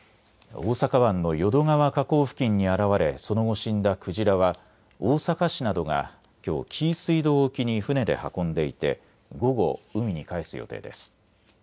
大阪湾の淀川河口付近に現れその後、死んだクジラは大阪市などがきょう紀伊水道沖に船で運んでいて午後、海にかえす予定です。